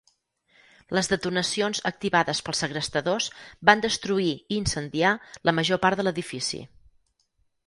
Les detonacions activades pels segrestadors van destruir i incendiar la major part de l'edifici.